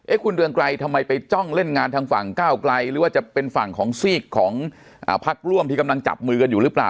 คุณเรืองไกรทำไมไปจ้องเล่นงานทางฝั่งก้าวไกลหรือว่าจะเป็นฝั่งของซีกของพักร่วมที่กำลังจับมือกันอยู่หรือเปล่า